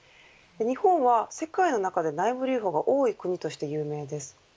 日本は世界の中で内部留保が多い国として有名です。